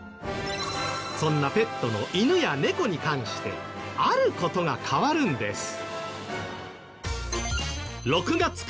そんなペットの犬や猫に関してある事が変わるんです。